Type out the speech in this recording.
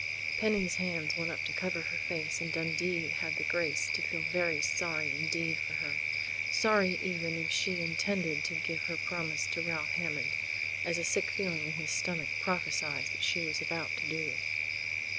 Penny's hands went up to cover her face, and Dundee had the grace to feel very sorry indeed for her sorry even if she intended to give her promise to Ralph Hammond, as a sick feeling in his stomach prophesied that she was about to do....